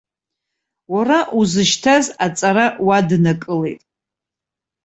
Уара узышьҭаз аҵара уаднакылеит.